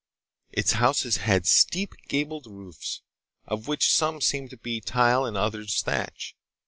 Its houses had steep, gabled roofs, of which some seemed to be tile and others thatch.